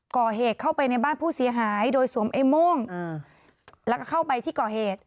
ก่อเหตุเข้าไปในบ้านผู้เสียหายโดยสวมไอ้โม่งแล้วก็เข้าไปที่ก่อเหตุ